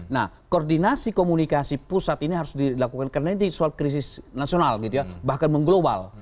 nah koordinasi komunikasi pusat ini harus dilakukan karena ini soal krisis nasional gitu ya bahkan mengglobal